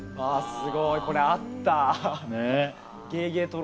すごいこれあったねえ